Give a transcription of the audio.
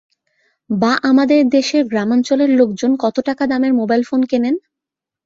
বা আমাদের দেশের গ্রামাঞ্চলের লোকজন কত টাকা দামের মোবাইল ফোন কেনেন?